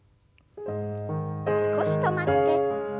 少し止まって。